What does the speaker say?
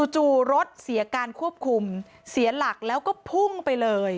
จู่รถเสียการควบคุมเสียหลักแล้วก็พุ่งไปเลย